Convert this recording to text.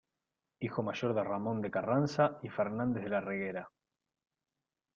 Hijo mayor de Ramón de Carranza y Fernández de la Reguera.